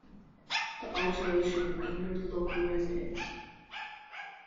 The alteration angered local residents.